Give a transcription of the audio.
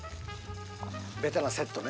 ベタなセットね。